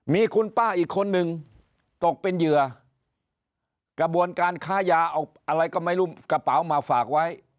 มีคุณป้าอีกคนนึงตกเป็นเหยื่อกระบวนการค้ายาเอาอะไรก็ไม่รู้กระเป๋ามาฝากไว้